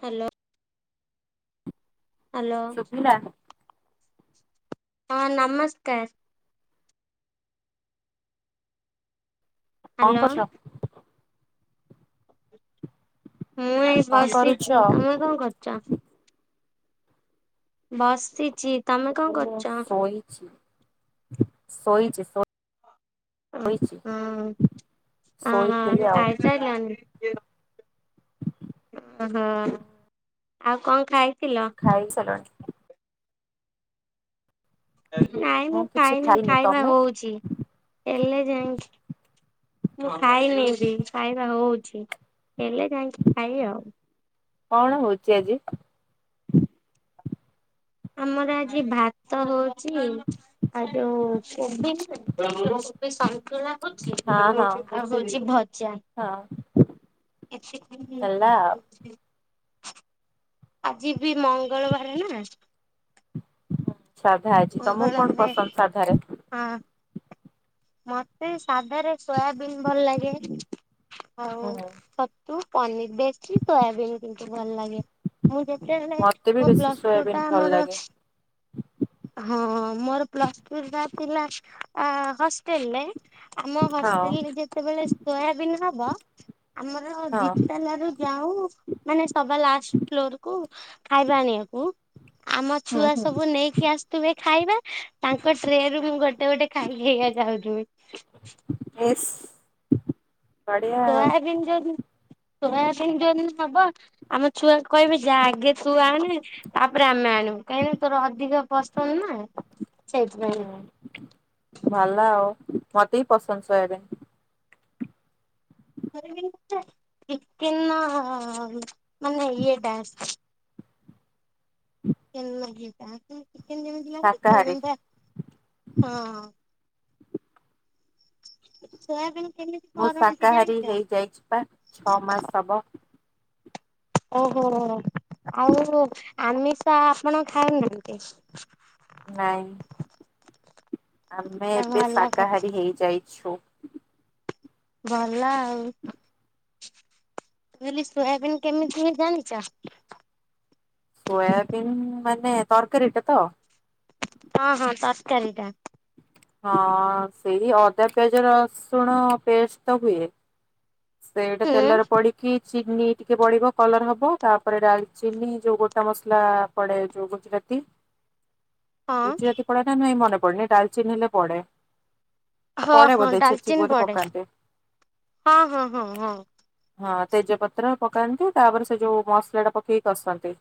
Hello hello ଶୁଭିଲା? ହଁ ନମସ୍କାର କଣ ହ୍ୟାଲୋ କରୁଛ ମୁଁ ଏଇ କଣ କରୁଛ? ବସିଛି, ତମେ କଣ କରୁଛ? ବସିଛି ତମେ କଣ ମୁଁ, କରୁଛ? ଶୋଇଛି ଶୋଇଛି ଶୋଇଛି। ହ ହଁ ହଁ ଶୋଇଥିଲି ହଁ, ଆଉ ଖାଇ ସାରିଲଣି? ଅ ହ ଆଉ କଣ ଖାଇଥିଲ? ଖାଇ ସାରିଲଣି? ନାଇଁ ମୁଁ ଖାଇନି ଖାଇବା ହଉଛି ହେଲେ ଯାଇକି ମୁଁ ଖାଇନି ବି ଖାଇବା ହଉଛି ହେଲେ ଯାଇକି ଖାଇବି ଆଉ। କଣ ହଉଛି ଆଜି? ଆମର ଆଜି ଭାତ ହଉଛି, ଆ ଯୋଇ କୋବି ନୁହଁ କୋବି ସନ୍ତୁଳା ହଁ ହଁ ଆଉ ହଉଛି ଭଜା। ହଁ କିଛି ବି ହେଲା ଆଉ। [unintelligible] ଆଜି ବି ମଙ୍ଗଳବାରେ ନା। ସାଧା ହେଇଛି ତମକୁ କଣ ମଙ୍ଗଳବାରେ ପସନ୍ଦ ସାଧାରେ? ହଁ ମତେ ସାଧାରେ ସୋୟାବିନ୍ ଭଲ ଲାଗେ ଆଉ ହୁଁ ହୁଁ ତୁ ପନିର ବେଶି ସୋୟାବିନ କିନ୍ତୁ ଭଲ ଲାଗେ। ମୁଁ ଯେତେବେଳେ ମତେ ବି ମୋ ବେଶୀ ପ୍ଲସ ଟୁ ସୋୟାବିନ୍ ଟା ଭଲ ଆର ଲାଗେ ହଁ ମୋର ପ୍ଲ ଟୁ ଟା ଥିଲା ହଷ୍ଟେଲରେ ଆମ ହଁ ହଷ୍ଟେଲରେ ଯେତେବେଳେ ସୋୟାବିନ ହବ ଆମର ହଁ ଦିତାଲା ଯାଉ ମାନେ ସବା ଲାଷ୍ଟ ଫ୍ଲୋରକୁ ଖାଇବା ଆଣିବାକୁ। ଆମ ହୁଁ ଛୁଆ ହୁଁ। ସବୁ ନେଇକି ଆସୁଥିବେ ଖାଇବା ତାଙ୍କ ଟ୍ରେରୁ ମୁଁ ଗୋଟେ ଗୋଟେ ଖାଇ ଖାଇକା ଯାଉଛି। [unintelligible] ଏସ୍ ସୋୟାବିିନ ଯୋଉ ସୋୟାବିିନ ଯୋଉ ହବ ଆମ ଛୁଆ କହିବେ ଯା ଆଗେ ତୁ ଆଣେ ତାପରେ ଆମେ ଆଣିବୁ କାହିଁକି ନା ତୋର ଅଧିକ ପସନ୍ଦ ନା। ସେଇଥିପାଇଁ ହୁଁ, ଭଲ ଆଉ ମତେ ବି ପସନ୍ଦ ସୋୟାବିନ। ଟିକେନ ମାନେ ଇଏଟା [inaudible] ଚିକେନ ଯେମିତି ଲାଗୁଛି ଶାକାହାରୀ ସୋୟାବିନଟା ହଁ, ସୋୟାବିନ ମୁଁ ଶାକାହାରୀ ହେଇଯାଇଛି ପା ଛଅ ମାସ ହବ। ଓହୋ ଆଉ ଆମିଷ ଆପଣ ଖାଉନାହାନ୍ତି? ନାଇଁ ଆମେ ଏବେ ଭଲ କଥା। ଶାକାହାରୀ ହେଇଯାଇଛୁ। ଭଲ ଆଉ ମୁଁ କହିଲି ସୋୟାବିନ କେମିତି ହୁଏ ଜାଣିଛ। ସୋୟାବିନ ମାନେ ତରକାରୀଟା ତ? ହଁ ହଁ ତରକାରୀ ଟା। ହଁ ସେଇ ଅଦା ପିଆଜ ରସୁଣ ପେଷ୍ଟ ତ ହୁଏ। ସେଇଟା ହୁଁ ତେଲରେ ପଡିି କି ଚିନି ଟିକେ ପଢ଼ିବ କଲର୍ ହବ ତାପରେ ଡାଲଚିନି ଯୋଉ ଗୋଟା ମସଲା ପଡେ ଯୋଉ ଗୁଜୁରାତି ହଁ ଗୁଜୁରାତି ପଡେ ନା ନାଇଁ ମନେ ପଡେନି ଡ଼ାଲିଚିନି ହେଲେ ପଡେ। ହଁ ପଡେ ହଁ ବୋଧେ ଛେଚିକି ଡାଲିଚିିନି ବୋଧେ ପଡେ ପକାନ୍ତି। ହଁ ହଁ ହଁ ହଁ ହଁ ତେଜପତ୍ର ପକାନ୍ତି ତାପରେ ସେ ଯୋଉ ମସଲା ଟା ପକେଇକି କଷନ୍ତି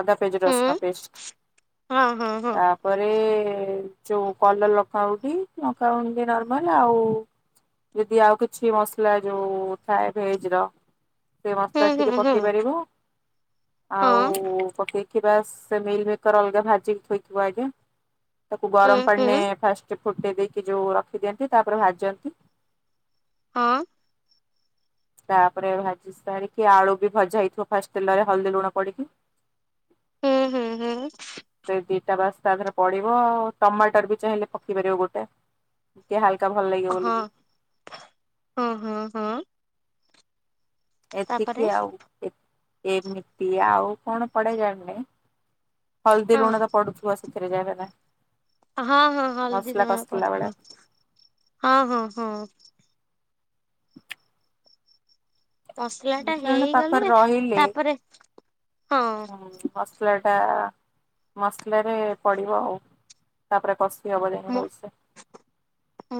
ଅଦା ସେ ଯୋଉ ହୁଁ ରସୁଣ ପେଷ୍ଟ ହଁ ହଁ ତା ହଁ ତାପରେ ଯୋଉ କଲର ଲଙ୍କା ହଉ କି ଲଙ୍କା ଗୁଣ୍ଡ ନର୍ମାଲ ଆଉ ଯଦି ଆଉ କିଛି ମସଲା ଯୋଉ ଥାଏ ଭେଜର ସେ ହୁଁ ମସଲା ଟିକେ ହୁଁ ହୁଁ ପକେଇପାରିବ ହଁ ଆଉ ପକେଇ ବାସେ ସେ ମିଲିମିକର ଅଲଗା ଭାଜିିକି ଥୋଇଥିବ ଆଗେ ତାକୁ ହୁଁ ଗରମ ପାଣିରେ ହୁଁ ଫାଷ୍ଟେ ଫୁଟେଇ ଦେଇକି ଯୋଉ ରଖିଦିଅନ୍ତି ତାପରେ ଭାଜନ୍ତି। ହଁ ତାପରେ ଭାଜି ସାରିକି ଆଳୁ ବି ଭଜା ହେଇଥିବ ଫାଷ୍ଟ ତେଲରେ ହଳଦୀ, ଲୁଣ ପଡିକି। ହୁଁ ହୁଁ ହୁଁ ସେ ଦିଟା ବାସ୍ ତା ଦେହେରେ ପଡିବ ଟମାଟର ବି ଚାହିଁଲେ ପକେଇପାରିବ ଗୋଟେ ଟିକେ ହାଲକା ଭଲ ଲାଗିବ ବୋଲ ହଁ କି ହଁ ହଁ ହଁ ତାପରେ ଏତିକି ଆଉ ଏତି ଏମିତି ଆଉ କଣ ପଡେ ଜାଣିନି ହଳଦୀ, ହଁ ଲୁଣ ତ ହଁ ପଡୁଛି। ତୁ ସେଥିରେ ଯାଇ ହଁ ହଁ ହଳଦୀ, ଲୁଣ ବେଳେ ପଡିଥିବ ହଁ ହଁ ହଁ ମସଲା ଟା ଜଣେ ପାଖରେ ହେଇଗଲେ ରହିଲେ ତାପରେ ହଁ ହୁଁ ମସଲା ଟା ମସଲାରେ ପଡ଼ିବ ଆଉ ତାପରେ କଷା ମ [inaudible]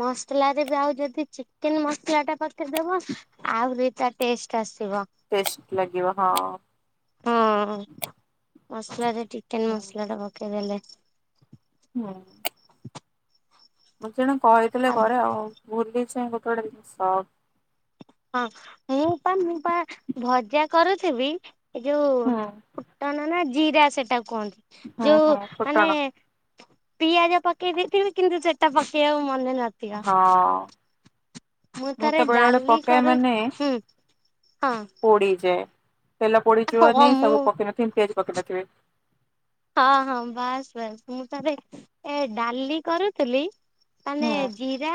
ମସଲାରେ ଯା ହଉ ବି ଯଦି ଚିକେନ ମସଲାଟା ପଖେଇ ଦବ ଆହୁରି ତା ଟେଷ୍ଟ ଆସିବ। ଟେଷ୍ଟ ଲାଗିବ ହଁ। ହୁଁ ମସଲାରେ ଚିକେନ ମସଲାଟା ପକେଇଦେଲେ। ହୁଁ ମତେ ଜଣେ କହିଥିଲେ ଆ କରେ ଆଉ ଭୁଲିସେ ଗୋଟେ ଗୋଟେ ଜିନିଷ ହଁ ମୁଁ ପା ମୁଁ ପା ଭଜା କରୁଥିବି। ଏଇ ଯୋଉ ହୁଁ ହୁଁ ଫୁଟଣ ନା ଜିରା ସେଟା କୁହନ୍ତି ଯୋଉ ହୁଁ ଫୁଟଣ ମାନେ ପିଆଜ ପକେଇ ଦେଇଥିବି କିନ୍ତୁ ସେଟା ପକେଇବାକୁ ମନେ ନ ହଁ। ମୁଁ ତ ଥରେ ବେଳେ ବେଳେ ଡାଲି ପକାଏ କରୁ ମାନେ ହୁଁ ହଁ ପୋଡିଯାଏ ତେଲ ଓ ପୋଡିଯିବନି ମୁଁ ସବୁ ପକେଇ ନଥିବି ପିଆଜ ପକେଇ ନଥିବେ ହଁ ହଁ ବାସ୍ ବାସ୍ ମୁଁ ଥରେ ଏ ଡାଲି କରୁଥିଲି ମାନେ ହୁଁ ଜିରା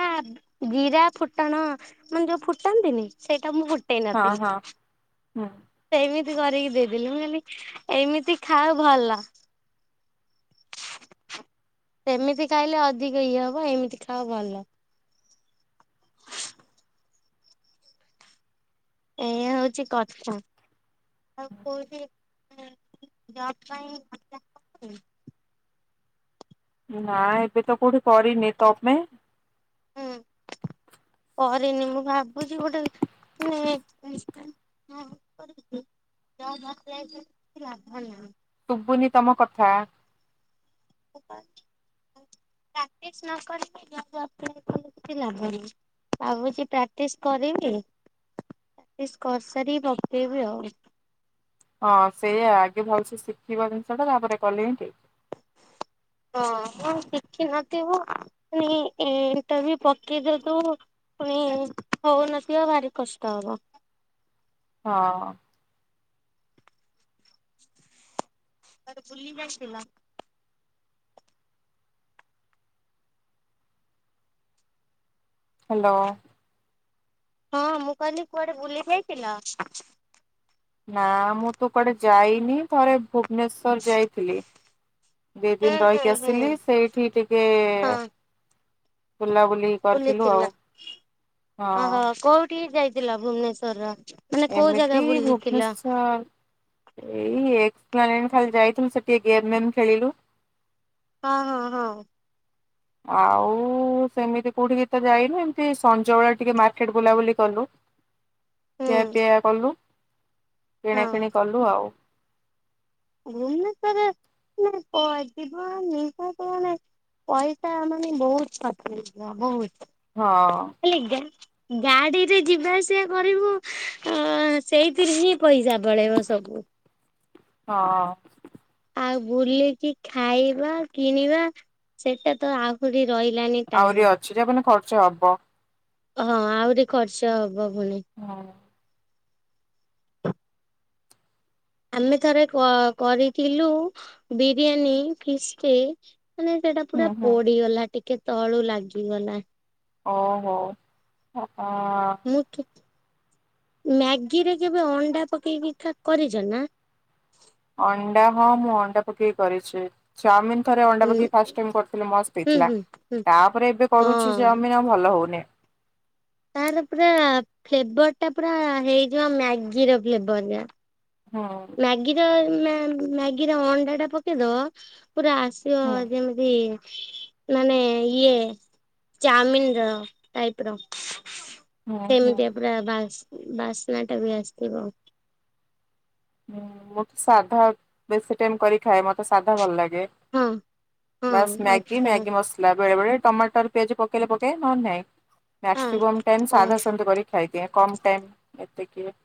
ଜିରା, ଫୁଟଣ ମାନେ ଯୋଉ ଫୁଟାନ୍ତିନି ସେଇଟା ମୁଁ ଫୁ ହଁ ହଁ ହୁଁ। ସେମିତି କରିକି ଦେଇଦେଲିି ମୁଁ କହିଲି ଏମିତି ଖାଅ ଭଲ। ସେମିତି ଖାଇଲେ ଅଧିକ ଇଏ ହବ ଏମିତି ଖାଅ ଭଲ। ଏଇଆ ହଉଛି କଥା ଆଉ କଉଠି ଜବ ପାଇଁ [inaudible] ନା ଏବେ ତ କୋଉଠି କରିନି ତମେ? ଉଁ। କରିନି ମୁଁ ଭାବୁଛି କଉଠି ନେ ଇଁ ଅଁ କରିବି କି ଜବ ଆପ୍ଲାଏ [inaudible] ଲାଭ ନାହିଁ। ଶୁଭୁନି ତମ କଥା। [inaudible] ପ୍ରାକ୍ଟିସ ନ କରିକି ଜବ୍ ଆପ୍ଲାଏ କଲେ କିଛି ଲାଭ ନାଇ। ଭାବୁଛି ପ୍ରାକ୍ଟିସ କରିବି ପ୍ରାକ୍ଟିସ କରିସାରିକି ପକେଇବି ଆଉ। ହଁ ସେଇଆ ଆଗେ ଭଲସେ ଶିଖିବ ଜିନିଷ ଟା ତାପରେ କଲେ ହିଁ ଠିକ୍। ହଁ ହଁ ଶିଖିନଥିବୁ ପୁଣି ଇ ଇଣ୍ଟରଭ୍ୟୁ ପକେଇଦବୁ। ପୁଣି ହଉନଥିବ ଭାରି କଷ୍ଟ ହବ। ହଁ। କୁଆଡ଼େ ବୁଲି ଯାଇଥିଲ? ହାଲୋ। ହଁ ମୁଁ କହିଲି କୁଆଡେ ବୁଲି ଯାଇଥିଲ? ନା ମୁଁ ତ କୁଆଡେ ଯାଇନି ଥରେ ଭୁବନେଶ୍ଵର ଯାଇଥିଲି। ଦି ହୁଁ ଦିନ ହୁଁ ରହିକି ହୁଁ ଆସିଲି ସେଇଠି ଟିକେ ହଁ ବୁଲାବୁଲି। କରିଥିଲୁ ଆଉ ବୁଲିଥିଲ ହଁ ଓହୋ। କୋଉଠି ଯାଇଥିଲ ଭୁବନେଶ୍ୱରର? ଏମିତି ଭୁବନେଶ୍ଵର। ଏଇ ଏକ୍ସପ୍ଲାନେ ଖାଲି ଯାଇଥିଲୁ ସେ ଟିକେ ଗେମ୍ ଫେମ୍ ଖେଳିଲୁ। ହଁ ହଁ ହଁ। ଆଉ ସେମିତି କୋଉଠି କି ତ ଯାଇନୁ ଏମିତି ସଞ୍ଜ ବେଳା ଟିକେ ମାର୍କେଟ ବୁଲାବୁଲି କଲୁ। ଖିଆ ହୁଁ ପିଆ କଲୁ। କିଣା ହଁ କିିଣି କଲୁ ଆଉ। ଭୁବନେଶ୍ବରରେ ମାନେ ଅ ଯିବ [unintelligible] ପଇସା ମାନେ ବହୁତ ଖର୍ଚ୍ଚ ହେଇଯିବ ବହୁତ। ହଁ। ହେଲେ ଗେନ୍ ଗାଡିରେ ଯିବା ଆସିବା କରିବୁ ଅ ସେଇଥିରେ ହିଁ ପଇସା ପଳେଇବ ସବୁ। ହଁ। ଆଉ ବୁଲିକି ଖାଇବା କିଣିବା ସେଟା ତ ଆହୁରି ରହିଲାଣି। ଆହୁରି ଅଛି ଯେ ମାନେ ଖର୍ଚ୍ଚ ହବ। ହଁ ଆହୁରି ଖର୍ଚ୍ଚ ହବ ପୁଣି। ହଁ। ଆମେ ଥରେ କ-କରିଥିଲୁ ବିରିୟାନୀ ଫିଷ୍ଟ। ମାନେ ସେଟା ପୁରା ହୁଁ ହୁଁ ପୋଡିଗଲା ଟିକେ ତଳୁ ଲାଗିଗଲା। ଓହୋ ଅ ହଁ। ମୁଁ କି ମ୍ୟାଗିରେ କେବେ ଅଣ୍ଡା ପକେଇକି କା କରିଛ ନା? ଅଣ୍ଡା ହଁ ମୁଁ ଅଣ୍ଡା ପକେଇକି କରିଛି। ଚାଓମିନ ଥରେ ଅଣ୍ଡା ହୁଁ ପକେଇ ଫାର୍ଷ୍ଟ ଟାଇମ କରିଥିଲି ମସ୍ତ ହୁଁ ହେଇଥିଲା ହୁଁ ହୁଁ ତାପରେ ଏବେ କରୁଛି ହଁ ଚାଓମି ଭଲ ହଉନି। ତାର ପୁରା ଫେଭରଟା ପୁରା ହେଇଯିବ ମ୍ୟାଗିର ଫେଭର ଟା। ହଁ। ମାଗିର ମା ମାଗିର ଅଣ୍ଡା ଟା ପକେଇଦବ ପୁରା ଆସ୍ ଯୋ ହୁଁ ଯେମିତି ମାନେ ଇଏ ଚାଉମିନିର ଟାଇପ୍ ର ହୁଁ ହୁଁ ସେମିତିଆ ପୁରା ବା ବାସ୍ନା ଟା ବି ଆସିଥିବ। ହୁଁ ମତେ ସାଧା ବେଶୀ ଟାଇମ୍ କରି ଖାଏ ମତେ ସାଧା ଭଲ ଲାଗେ। ହଁ ହଁ ବାସ୍ ମ୍ୟାଗି ଆଚ୍ଛା ମ୍ୟାଗି ମସଲା ବେଳେ ବେଳେ ଟମାଟ ତାର ପିଆଜ ପକେଇଲେ ପକାଏ ନହେନେ ନାଇଁ ହଁ। ମାକ୍ସିମମ୍ ଟାଇମ୍ ଓ ସାଧା ସେମିତି କରି ଖାଇଦିଏ କମ୍ ଟାଇମ୍ ଏତେ କିଏ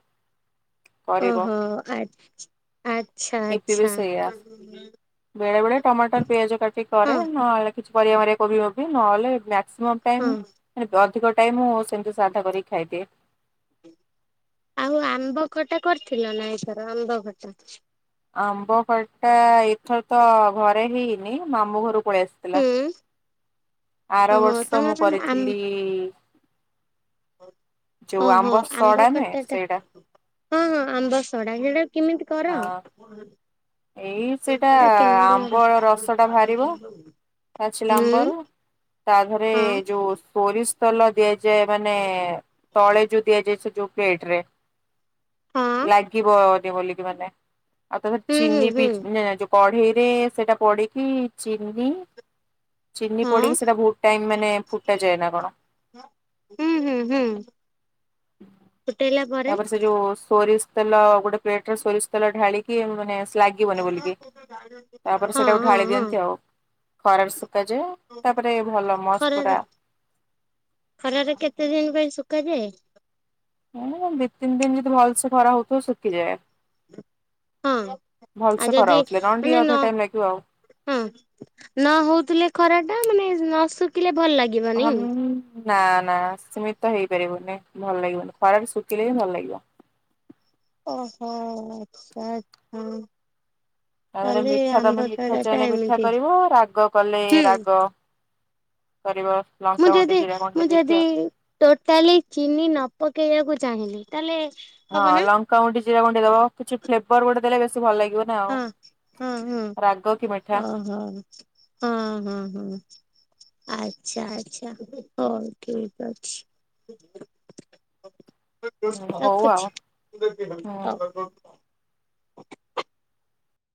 କରିବ ଓହୋ ଆ ଆଚ୍ଛା ଇପି ବି ଆଚ୍ଛା। ସେଇଆ ବେଳେ ବେଳେ ଟମାଟ ପିଆଜ କାଟିକି ହଁ କରେ ନହେଲେ କିଛି ପରିବା ମରିବା କୋବି ଫୋବି ନହେଲେ ମ୍ୟାକ୍ସିମମ୍ ହଁ ଟାଇମ୍ ଆରେ ଅଧିକ ଟାଇମ୍ ମୁଁ ସେମିତି ସାଧା କରିକି ଖାଇଦିଏ। ଆଉ ଆମ୍ବ ଖଟା କରିଥିଲ ନା ଏଥର ଆମ୍ବ ଖଟା? ଆମ୍ବ ଖଟା ଏଥର ତ ଘରେ ହେଇନି ମାମୁଁ ଘରୁ ପଳେଇ ଆସିଥିଲା। ହୁଁ ଆର ଓହୋ ବର୍ଷ ତମେ ମୁଁ ମାନେ ଆମ୍ କରିଥିଲି। ଯୋଉ ଓହୋ ଆମ୍ବ ସଡା ନୁହେଁ ଖଟା ଟା। ସେଇଟା ହଁ ହଁ ଆମ୍ବ ସଡା ସେଟା କେମିତି କର? ହଁ ଏଇ ସେଟା ଏଟା କେମିତି କର? ଆମ୍ବର ରସଟା ବାହାରିବ। ହୁଁ ପାଚିଲା ଆମ୍ବର ତାଧରେ ହଁ ଯୋଉ ସୋରିଷ୍ ତେଲ ଦିଆଯାଏ ମାନେ ତଳେ ଯୋଉ ଦିଆଯାଏ ସେ ଯୋଉ ପ୍ଲେଟ୍ ରେ ହଁ ଲାଗିବନି ବୋଲିକି ମାନେ ଆଉ ତାପରେ ହୁଁ ହୁଁ ଚିନି ଵି ହୁଁ କଢେଇରେ ସେଟା ପଡିକି ଚିନି। ଚିନି ହଁ ପଡିକି ସେଟା ବହୁତ୍ ଟାଇମ୍ ମାନେ ଫୁଟା ଯାଏ ନାଁ କଣ। ହୁଁ ହୁଁ ହୁଁ ଫୁଟେଇଲା। ପରେ ତାପରେ ସେ ଯୋଉ ସୋରିଷ ତେଲ ଗୋଟେ ପ୍ଲେଟରେ ସୋରିଷ ତେଲ ଢାଳିକି ମାନେ ସ୍ଲା ଯିବନି ବୋଲିକି ତାପରେ ହଁ ସେଟାକୁ ହଁ ଢାଳି ହଁ ଦିଅନ୍ତି ଆଉ। ଖରାପ୍ ଶୁଖାଯାଏ ତାପରେ ଭଲ ମସ୍ତ ପୁରା। ଖରାରେ ଖରାରେ କେତେ ଦିନ୍ ପାଇଁ ଶୁଖାଯାଏ? ଦି ତିନଦିନ୍ ଯଦି ଭଲ ସେ ଖରା ହଉଥିବ ଶୁଖିଯାଏ। ହଁ ଭଲ ଆଉ ସେ ଯଦି ଖରା ହଉଥିଲେ ନହେଲେ ମାନେ ଟିକେ ନ ଅଧିକ ଟାଇମ୍ ଲାଗିବ ଆଉ। ହଁ ନ ହଉଥିଲେ ଖରା ଟା ମାନେ ନ ଶୁଖିଲେ ଭଲ ଲାଗେ। ହଁ ମୁଁ। ନାଁ ନାଁ ସିମିତ ହେଇପାରିବନି ଭଲ ଲାଗିବନି ଖରାରେ ଶୁଖିଲେ ହିଁ ଭଲ ଲାଗିବ। ଓହୋ ଆଚ୍ଛା ହୁଁ। ତାପରେ ମିଠା ତମେ ମିଠା ସଡା ଟା ଚାହିଁଲେ ମିଠା ଏମିତି କରିବ ରାଗ କଲେ ହୁଁ ରାଗ କରିବ। ମୁଁ ଲଙ୍କାଗୁଣ୍ଡି ଯଦି ଜିରା ମୁଁ ଗୁଣ୍ଡି ଦେଇକି ଯଦି ଆଉ। ଟୋଟାଲି ଚିନି ନ ପକେଇବାକୁ ଚାହିଁଲି ତାହେଲେ ହଁ ହବ ନା ଲଙ୍କା ଗୁଣ୍ଡି ଜିରା ଗୁଣ୍ଡି ଦବ କିଛି ଫ୍ଲେବର ଗୋଟେ ଦେଲେ ବେଶୀ ଭଲ ଲାଗିବ। ନା ଆଉ। ହଁ ହୁଁ ହୁଁ ରାଗ କି ମିଠା ଓହୋ ହୁଁ ହୁଁ ହୁଁ। ଆଚ୍ଛା ଆଚ୍ଛା ହଉ ଠିକ୍ ଅଛି। ହୁଁ ହଉ ଆଉ ରଖୁଛି। ହୁଁ।